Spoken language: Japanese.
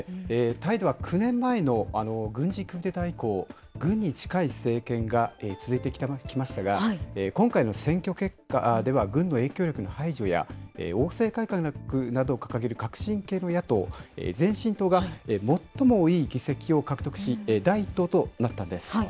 タイでは９年前の軍事クーデター以降、軍に近い政権が続いてきましたが、今回の選挙結果では軍の影響力の排除や、王政改革などを掲げる革新系の野党・前進党が最も多い議席を獲得し、第１党となったんです。